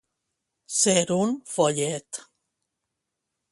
Ser un follet.